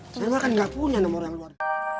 saya mah kan gak punya nomor yang luar